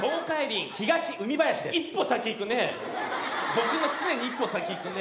僕の常に一歩先いくね。